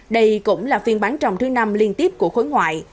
đây cũng là phiên bán rồng thứ năm liên tiếp của khối ngoại